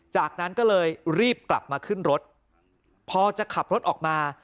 จากนั้นก็เลยรีบกลับมาขึ้นรถพอจะขับรถออกมา